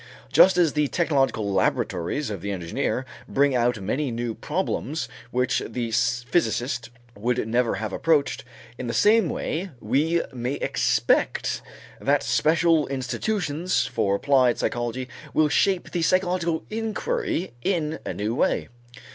Just as the technological laboratories of the engineer bring out many new problems which the physicist would never have approached, in the same way we may expect that special institutions for applied psychology will shape the psychological inquiry in a new way.